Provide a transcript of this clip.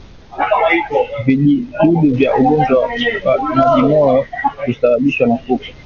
Vijidudu vya ugonjwa wa majimoyo husambazwa na kupe